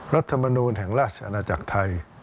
รัฐมนูลแห่งราชอาณาจักรไทย